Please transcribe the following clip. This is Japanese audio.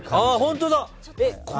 本当だ！